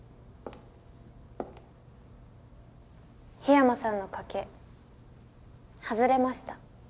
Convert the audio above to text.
桧山さんの賭け外れました。